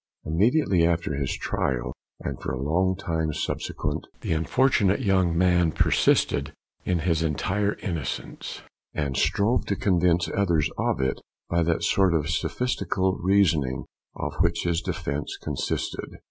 Immediately after his trial, and for a long time subsequent, the unfortunate young man persisted in his entire innocence, and strove to convince others of it, by that sort of sophistical reasoning of which his defence consisted.